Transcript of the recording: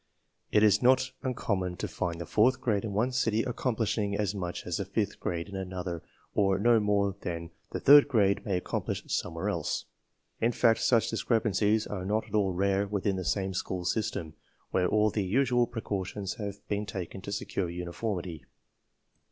It is not uncom mon to find the fourth grade in one city accomplishing as much as the fifth grade in another, or no more than the third grade may accomplish somewhere else. In fact, such discrepancies are not at all rare within the same school system, where all the usual precautions have been taken to secure uniformity.